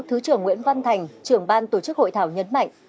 thứ trưởng nguyễn văn thành trưởng ban tổ chức hội thảo nhấn mạnh